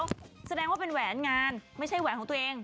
เพราะว่าเขาเป็นแหวนงานไม่ใช่แหวนของตัวเอง